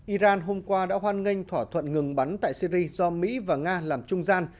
iran hôm qua đã hoan nghênh thỏa thuận ngừng bắn tại syri do mỹ và nga làm trung gian